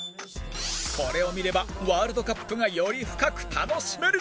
これを見ればワールドカップがより深く楽しめる！